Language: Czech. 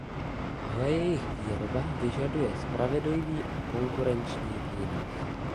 Ale jejich výroba vyžaduje spravedlivý a konkurenční výnos.